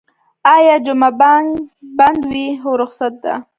ایا جمعه بانک بند وی؟ هو، رخصت ده